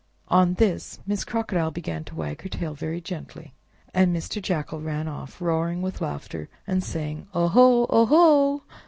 On this, Miss Crocodile began to wag her tail very gently, and Mr. Jackal ran off, roaring with laughter, and saying. "Oho! oho!